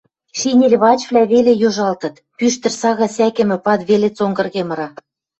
Шинель пачвлӓ веле йожалтыт, пӱштӹр сага сӓкӹмӹ пад веле цонгырге мыра